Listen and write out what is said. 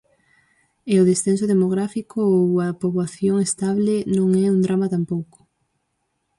E o descenso demográfico ou unha poboación estable non é un drama tampouco.